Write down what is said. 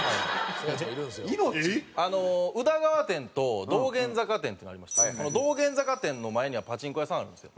宇田川店と道玄坂店っていうのありまして道玄坂店の前にはパチンコ屋さんあるんですよ。